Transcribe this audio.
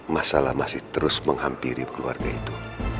masalah masih terus menghampiri keluarga itu